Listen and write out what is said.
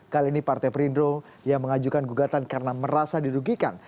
kali ini partai perindro yang mengajukan gugatan karena merasa dirugikan